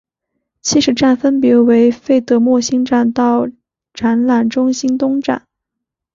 起始站分别为费德莫兴站到展览中心东站。